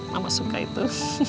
mama suka itu